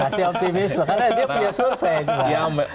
masih optimisme karena dia punya survei